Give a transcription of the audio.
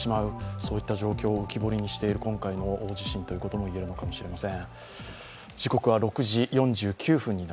そういった状況を浮き彫りにしている今回の大地震ということも言えるのかもしれません。